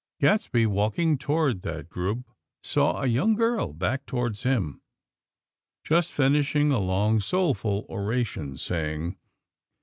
Gadsby, walking toward that group, saw a young girl, back towards him, just finishing a long, soulful oration, saying